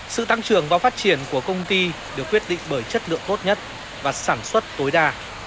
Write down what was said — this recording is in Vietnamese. sự tăng trưởng và phát triển của công ty được quyết định bởi chất lượng tốt nhất và sản xuất tối đa